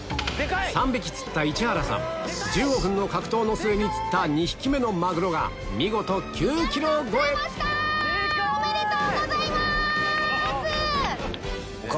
３匹釣った市原さん１５分の格闘の末に釣った２匹目のマグロが見事９ｋｇ超えおめでとうございます！